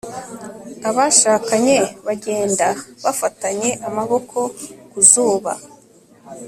Abashakanye bagenda bafatanye amaboko ku zuba